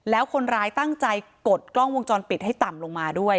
แล้วคนร้ายตั้งใจกดกล้องวงจรปิดให้ต่ำลงมาด้วย